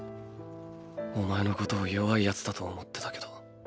お前のことを弱いヤツだと思ってたけど。